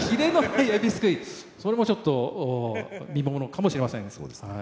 それもちょっと見ものかもしれません。